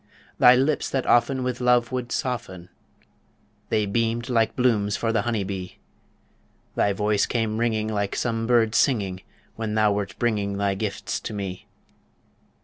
Thy lips that often with love would soften, They beamed like blooms for the honey bee; Thy voice came ringing like some bird singing When thou wert bringing thy gifts to me.